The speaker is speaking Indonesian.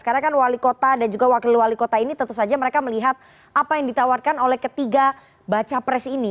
karena kan wali kota dan juga wakil wali kota ini tentu saja mereka melihat apa yang ditawarkan oleh ketiga baca pres ini